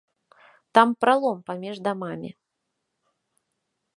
Там пралом паміж дамамі.